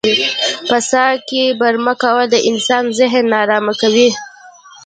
په څاه کې برمه کول د انسان ذهن نا ارامه کوي.